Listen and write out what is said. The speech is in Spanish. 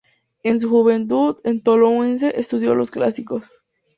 En su juventud en Toulouse estudió los clásicos.